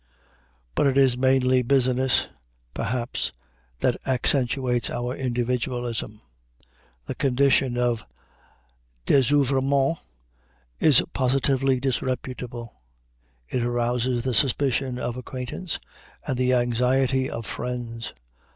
But it is mainly "business," perhaps, that accentuates our individualism. The condition of désœuvrement is positively disreputable. It arouses the suspicion of acquaintance and the anxiety of friends.